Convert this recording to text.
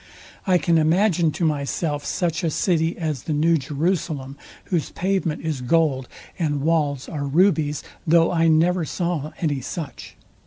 I can imagine to myself such a city as the New Jerusalem, whose pavement is gold and walls are rubies, though I never saw any such.